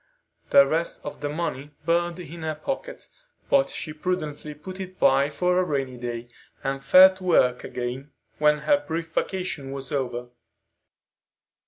The rest of the money burned in her pocket, but she prudently put it by for a rainy day, and fell to work again when her brief vacation was over.